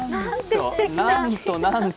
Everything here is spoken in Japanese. なんとなんと。